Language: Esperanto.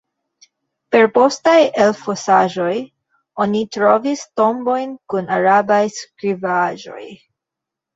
Per postaj elfosaĵoj oni trovis tombojn kun arabaj skribaĵoj.